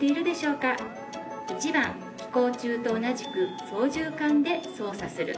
１番飛行中と同じく操縦桿で操作する。